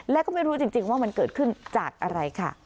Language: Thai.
และก็ไม่รู้จริงว่ามันเกิดขึ้นจากอะไรค่ะ